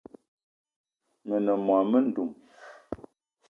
Me ne mô-mendum